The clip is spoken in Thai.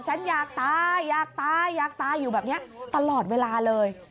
ฉันอยากตายอยากตายอยากตายอยู่แบบนี้ตลอดเวลาเลย